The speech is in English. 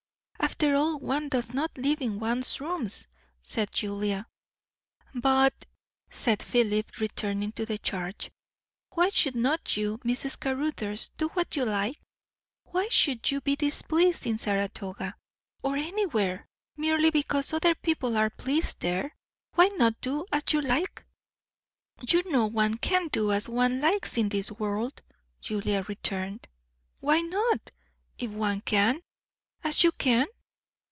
"After all, one does not live in one's rooms," said Julia. "But," said Philip, returning to the charge, "why should not you, Mrs. Caruthers, do what you like? Why should you be displeased in Saratoga, or anywhere, merely because other people are pleased there? Why not do as you like?" "You know one can't do as one likes in this world," Julia returned. "Why not, if one can, as you can?"